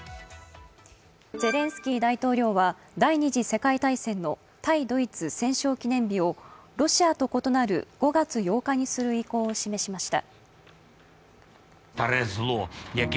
ゼレンスキー大統領は第二次世界大戦の対ドイツ戦勝記念日をロシアと異なる５月８日にする意向を示しました。